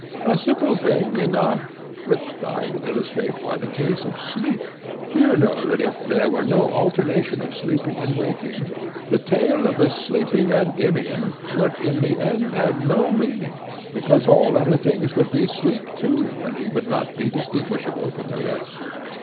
he said. A simple thing enough, which I will illustrate by the case of sleep, he replied. You know that if there were no alternation of sleeping and waking, the tale of the sleeping Endymion would in the end have no meaning, because all other things would be asleep, too, and he would not be distinguishable from the rest.